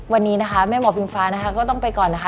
วันนี้นะคะแม่หมอพิงฟ้านะคะก็ต้องไปก่อนนะคะ